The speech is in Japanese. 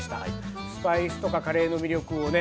スパイスとかカレーの魅力をね